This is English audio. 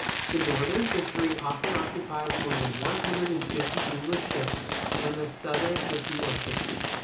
. The northern fishery often occupies more than one hundred and fifty English ships, and the southern fifty or sixty.